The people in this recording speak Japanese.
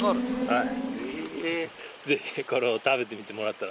はい。